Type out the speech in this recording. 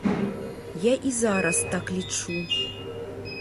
Я і зараз так лічу.